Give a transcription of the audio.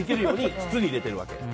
筒に入れてるわけ。